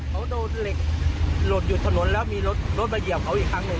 เขาโดนเหล็กหล่นอยู่ถนนแล้วมีรถรถมาเหยียบเขาอีกครั้งหนึ่ง